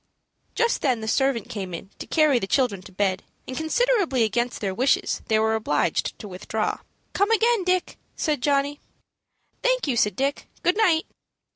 Just then the servant came in to carry the children to bed, and, considerably against their wishes, they were obliged to withdraw. "Come again, Dick," said Johnny. "Thank you," said Dick. "Good night."